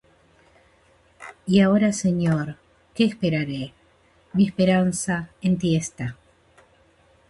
Y ahora, Señor, ¿qué esperaré? Mi esperanza en ti está.